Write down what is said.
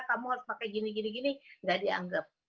kamu harus pakai gini gini gini gak dianggap